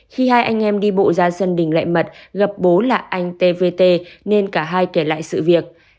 khi hai anh em đi bộ ra sân đỉnh lệ mật gặp bố là anh t v t nên cả hai kể lại sự việc